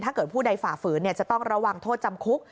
ผู้ใดฝ่าฝืนจะต้องระวังโทษจำคุก